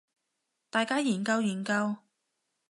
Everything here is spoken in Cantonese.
大家研究研究